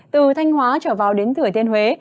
từ thanh hóa trở vào đến thừa thiên huế